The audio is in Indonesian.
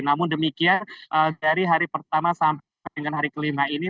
namun demikian dari hari pertama sampai dengan hari kelima ini